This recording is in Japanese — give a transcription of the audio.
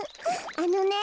あのね。